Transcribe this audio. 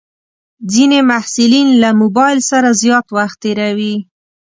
ځینې محصلین له موبایل سره زیات وخت تېروي.